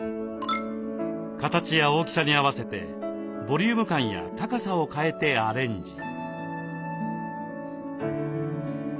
形や大きさに合わせてボリューム感や高さを変えてアレンジ。